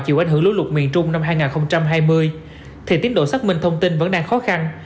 chịu ảnh hưởng lũ lụt miền trung năm hai nghìn hai mươi thì tiến độ xác minh thông tin vẫn đang khó khăn